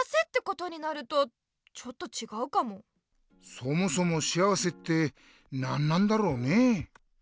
そもそも「幸せ」って何なんだろうね？